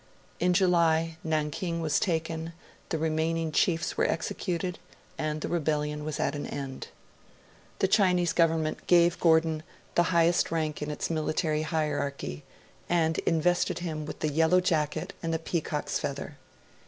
In July, Nankin was taken, the remaining chiefs were executed, and the rebellion was at an end. The Chinese Government gave Gordon the highest rank in its military hierarchy, and invested him with the yellow jacket and the peacock's feather.